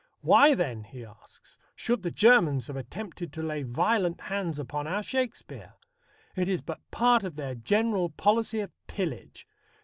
"Why then," he asks, should the Germans have attempted to lay violent hands upon our Shakespeare? It is but part of their general policy of pillage.